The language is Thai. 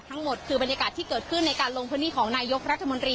ทั้งหมดคือบรรยากาศที่เกิดขึ้นในการลงพื้นที่ของนายกรัฐมนตรี